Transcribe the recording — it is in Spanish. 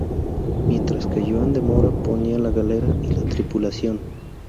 Mientras que Joan de Mora ponía la galera y la tripulación.